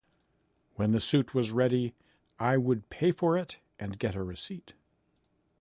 When the suit was ready, I would pay for it and get a receipt.